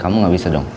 kamu gak bisa dong